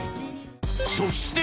そして